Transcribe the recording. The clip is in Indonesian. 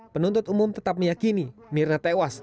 penuntut umum tetap meyakini mirna tewas